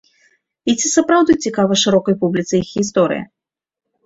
І ці сапраўды цікава шырокай публіцы іх гісторыя?